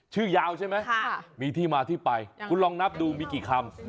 ชื่อยาวใช่ไหมมีที่มาที่ไปคุณลองนับดูมีกี่คำ